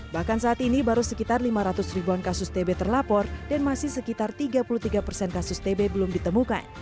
bahkan saat ini baru sekitar lima ratus ribuan kasus tb terlapor dan masih sekitar tiga puluh tiga persen kasus tb belum ditemukan